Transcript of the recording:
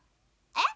えっ！